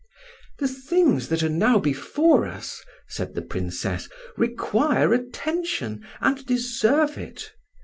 "The things that are now before us," said the Princess, "require attention, and deserve it.